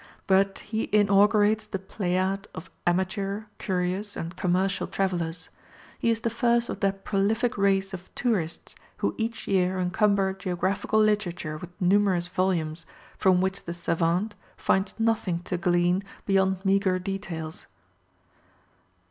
But he inaugurates the pleiad of amateur, curious, and commercial travellers. He is the first of that prolific race of tourists who each year encumber geographical literature with numerous volumes, from which the savant finds nothing to glean beyond meagre details.